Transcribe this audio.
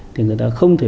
thì người ta không thể